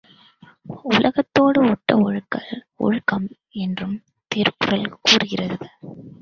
உலகத்தோடு ஒட்ட ஒழுகல் ஒழுக்கம் என்றும் திருக்குறள் கூறுகிறது.